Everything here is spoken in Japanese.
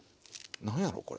何やろこれ？